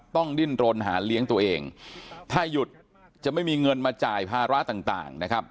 ต้องดิ้นรนหาเลี้ยงตัวเองถ้าหยุดจะไม่มีเงินมาจ่ายภาระต่างนะครับ